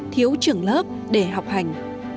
thiếu trưởng lớp để học hành